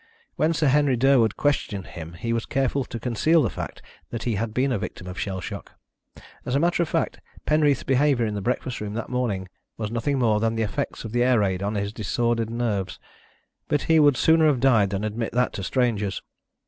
When Sir Henry Durwood questioned him he was careful to conceal the fact that he had been a victim of shell shock. As a matter of fact, Penreath's behaviour in the breakfast room that morning was nothing more than the effects of the air raid on his disordered nerves, but he would sooner have died than admit that to strangers.